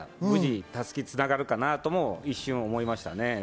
無事に襷がつながるかなとも一瞬思いました。